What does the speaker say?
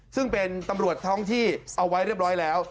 ซึ่งเป็นตำรวจท้องที่เอาไว้เรียบร้อยแล้ว